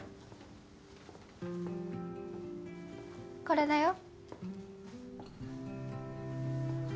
これだよ。